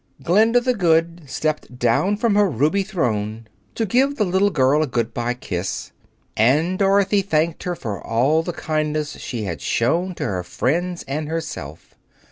Glinda the Good stepped down from her ruby throne to give the little girl a good bye kiss, and Dorothy thanked her for all the kindness she had shown to her friends and herself.